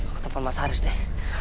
aku telfon mas haris deh